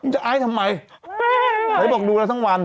มึงตายทำไมใครบอกดูแล้วทั้งวัน